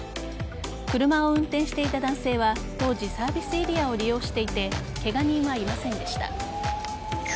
車を運転していた男性は当時サービスエリアを利用していてケガ人はいませんでした。